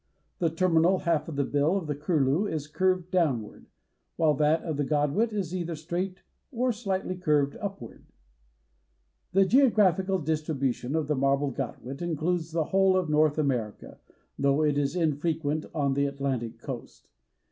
The terminal half of the bill of the curlew is curved downward, while that of the Godwit is either straight or slightly curved upward. The geographical distribution of the Marbled Godwit includes the whole of North America, though it is infrequent on the Atlantic coast.